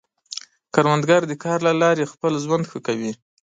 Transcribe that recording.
کروندګر د کار له لارې خپل ژوند ښه کوي